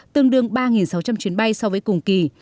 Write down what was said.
tương đương ba sáu trăm linh chuyến bay so với cùng kỳ